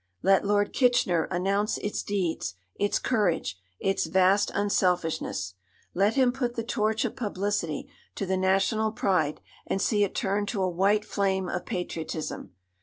Let Lord Kitchener announce its deeds, its courage, its vast unselfishness. Let him put the torch of publicity to the national pride and see it turn to a white flame of patriotism.